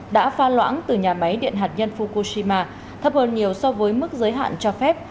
đã pha loãng từ nhà máy điện hạt nhân fukushima thấp hơn nhiều so với mức giới hạn cho phép